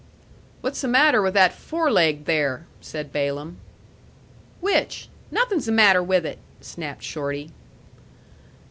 "What's the matter with that foreleg there?" said Balaam. "Which? Nothin's the matter with it!" snapped Shorty.